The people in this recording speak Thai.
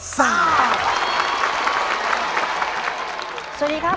สวัสดีครับ